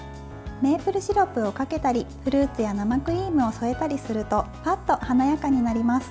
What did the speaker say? メープルシロップをかけたりフルーツや生クリームを添えたりするとぱっと華やかになります。